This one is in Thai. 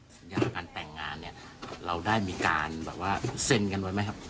สัญญาการแต่งงานเนี่ยเราได้มีการแบบว่าเซ็นกันไว้ไหมครับ